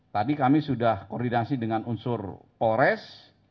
tadi kami sudah koordinasi dengan unsur polres